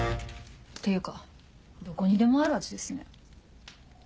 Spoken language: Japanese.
っていうかどこにでもある味ですね。